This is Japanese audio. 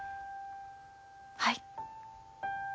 はい。